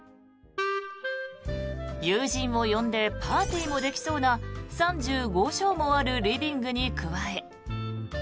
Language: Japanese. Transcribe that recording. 友人を呼んでパーティーもできそうな３５畳もあるリビングに加え。